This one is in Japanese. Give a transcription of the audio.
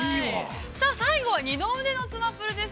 ◆最後は二の腕のつまぷるです。